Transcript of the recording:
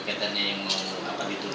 kaitannya yang apa gitu